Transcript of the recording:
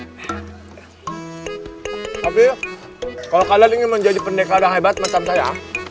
tapi kalau kalian ingin menjadi pendekar yang hebat mantan saya